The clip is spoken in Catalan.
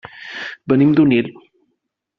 Venim d'Onil.